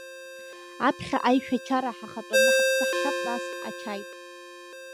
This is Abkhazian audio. Аԥхьа аишәачара ҳахатәаны ҳаԥсы ҳшьап, нас ачаи!